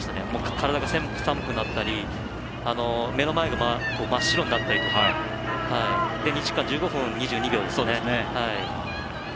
体が寒くなったり目の前が真っ白になったりとかそれで２時間１５分２２秒ですね。